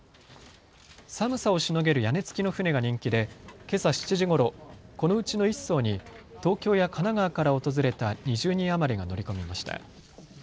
寒さをしのげる屋根付きの船が人気で、けさ７時ごろこのうちの１そうに東京や神奈川から訪れた２０人余りが乗り込みました。